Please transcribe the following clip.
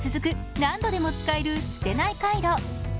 何度でも使える捨てないカイロ。